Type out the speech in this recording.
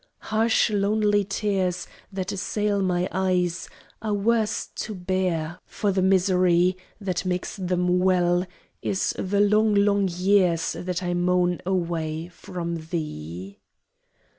Harsh lonely tears That assail my eyes Are worse to bear, For the misery That makes them well Is the long, long years That I moan away from thee!